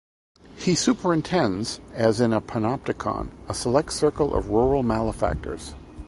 He superintends, as in a panopticon, a select circle of rural malefactors.